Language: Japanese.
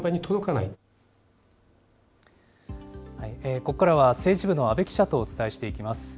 ここからは、政治部の阿部記者とお伝えしていきます。